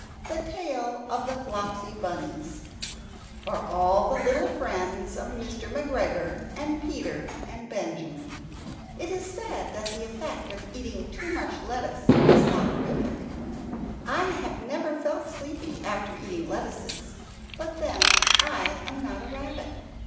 THE TALE OF THE FLOPSY BUNNIES [For All Little Friends of Mr. McGregor and Peter and Benjamin] It is said that the effect of eating too much lettuce is "soporific." I have never felt sleepy after eating lettuces; but then I am not a rabbit.